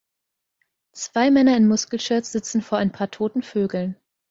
Zwei Männer in Muskelshirts sitzen vor ein paar toten Vögeln.